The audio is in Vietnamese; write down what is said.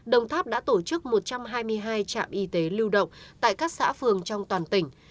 đồng tháp đã tổ chức một trăm hai mươi hai trạm y tế lưu động tại các xã phường trong toàn tỉnh